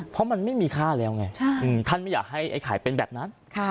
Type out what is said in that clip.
เพราะมันไม่มีค่าแล้วไงท่านไม่อยากให้ไอ้ไข่เป็นแบบนั้น